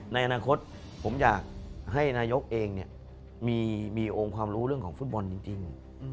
ในอนาคตผมอยากให้นายกเองมีองค์ความรู้เรื่องของฟุตบอลจริง